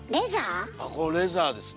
これレザーですね。